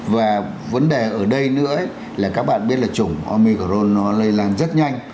và vấn đề ở đây nữa là các bạn biết là chủng omicrone nó lây lan rất nhanh